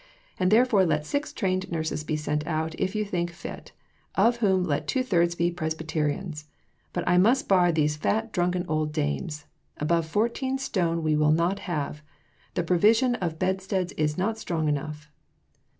And therefore let six trained nurses be sent out, if you think fit, of whom let two thirds be Presbyterians. But I must bar these fat drunken old dames. Above 14 stone we will not have; the provision of bedsteads is not strong enough.